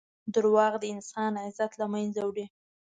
دروغ د انسان عزت له منځه وړي.